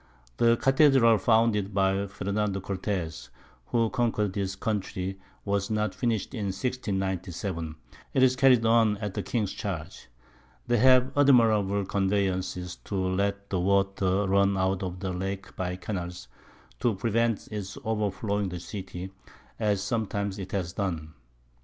The Cathedral founded by Fernando Cortez, who conquer'd this Country, was not finished in 1697. 'tis carried on at the King's Charge. They have admirable Conveyances to let the Water run out of the Lake by Canals, to prevent its overflowing the City, as sometimes it has done.